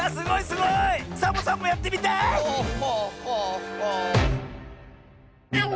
サボさんもやってみたい！